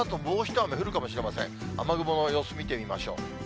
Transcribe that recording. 雨雲の様子、見てみましょう。